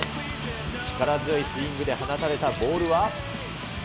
力強いスイングで放たれたボールは。